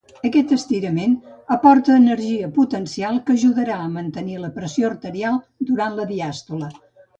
Aquest estirament aporta energia potencial que ajudarà a mantenir la pressió arterial durant la diàstole.